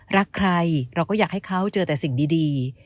รักใครเราก็อยากให้เขาเจอแต่สิ่งดี